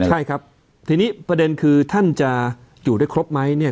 ใช่ครับทีนี้ประเด็นคือท่านจะอยู่ได้ครบไหมเนี่ย